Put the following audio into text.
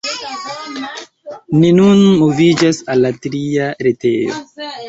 Ni nun moviĝas al la tria retejo.